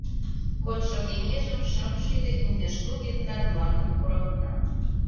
Кодшо кеҥежым шым шӱдӧ индешлу гектар мландым куралынам.